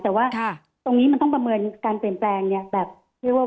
แต่ว่าตรงนี้มันต้องประเมินการเปลี่ยนแปลง